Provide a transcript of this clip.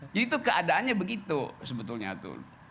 jadi itu keadaannya begitu sebetulnya itu